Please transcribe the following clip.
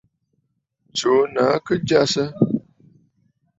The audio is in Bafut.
Tsùù nàa kɨ jasə.